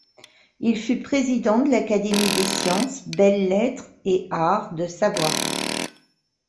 Il fut Président de l'Académie des sciences, belles-lettres et arts de Savoie.